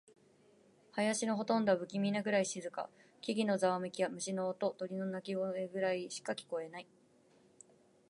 林のほとんどは不気味なくらい静か。木々のざわめきや、虫の音、鳥の鳴き声くらいしか聞こえない。